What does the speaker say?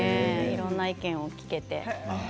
いろんな意見を聞けて。